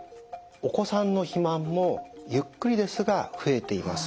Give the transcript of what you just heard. お子さんの肥満もゆっくりですが増えています。